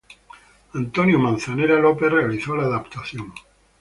Antonio Manzanera López realizó la adaptación.